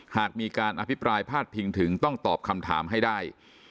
หากมีการอภิปรายพาดพิงถึงต้องตอบคำถามให้ได้